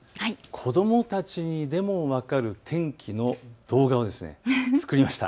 子どもたちにでも分かる天気の動画を作りました。